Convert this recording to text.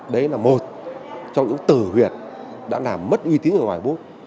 đấy là một trong những tử huyệt đã làm mất uy tín người ngoại quốc